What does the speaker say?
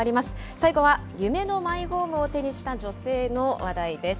最後は夢のマイホームを手にした女性の話題です。